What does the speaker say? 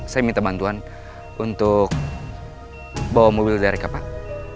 saya minta bantuan untuk bawa mobil dari kapal